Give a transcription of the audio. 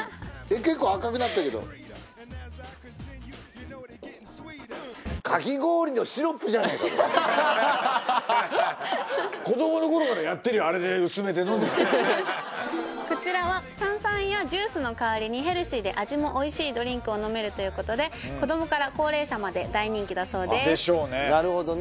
結構赤くなったけどこちらは炭酸やジュースの代わりにヘルシーで味もおいしいドリンクを飲めるということで子供から高齢者まで大人気だそうですでしょうね